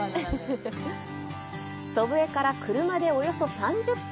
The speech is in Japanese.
祖父江から車でおよそ３０分。